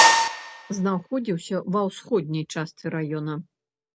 Знаходзіўся ва ўсходняй частцы раёна.